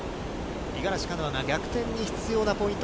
五十嵐カノアが逆転に必要なポイント